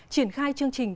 triển khai chương trình